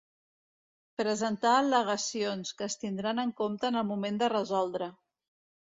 Presentar al·legacions, que es tindran en compte en el moment de resoldre.